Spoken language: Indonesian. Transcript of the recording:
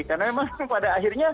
karena memang pada akhirnya